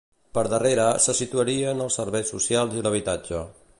Per darrere, se situarien els serveis socials i l'habitatge.